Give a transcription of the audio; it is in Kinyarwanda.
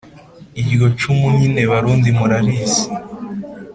iryo cumu nyine barundi murarizi